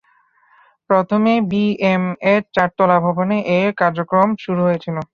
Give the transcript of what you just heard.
প্রথমে B M এর চারতলা ভবনে এর কার্যক্রম শুরু হয়েছিল।